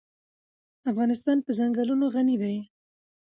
افغانستان په چنګلونه غني دی.